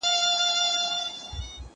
هغه څوک چي انځورونه رسم کوي هنر لري!